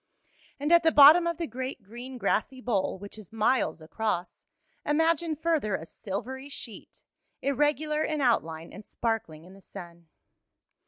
And at the bottom of the great, green, grassy bowl, which is miles across, imagine further a silvery sheet, irregular in outline and sparkling in the sun.